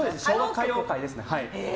歌謡界ですね。